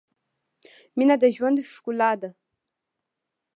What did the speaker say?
• مینه د ژوند ښکلا ده.